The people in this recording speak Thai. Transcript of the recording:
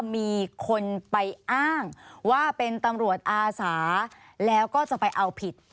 มีคนไปอ้างว่าเป็นตำรวจอาสาแล้วก็จะไปเอาผิด